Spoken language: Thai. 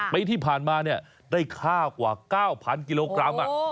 ปีที่ผ่านมาได้ข้าวกว่า๙๐๐กิโลกรัม